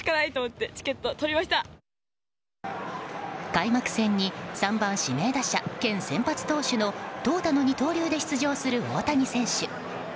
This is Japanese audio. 開幕戦に３番指名打者兼先発投手の投打の二刀流で出場する大谷選手。